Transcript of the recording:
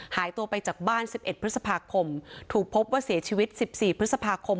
หายตัวไปจากบ้าน๑๑พฤษภาคมถูกพบว่าเสียชีวิต๑๔พฤษภาคม